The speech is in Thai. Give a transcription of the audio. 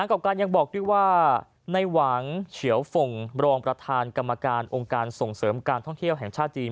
จุดต้นทางเฉียวหนังเผ่งบรองบรรทานกรรมการองค์การส่งเสริมการท่องเที่ยวแห่งชาติจีน